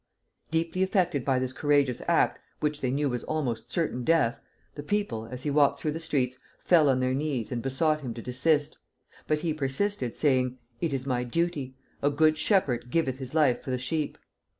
Deeply affected by this courageous act, which they knew was almost certain death, the people, as he walked through the streets, fell on their knees and besought him to desist; but he persisted, saying, 'It is my duty; a good shepherd giveth his life for the sheep.'